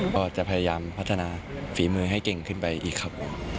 ก็จะพยายามพัฒนาฝีมือให้เก่งขึ้นไปอีกครับ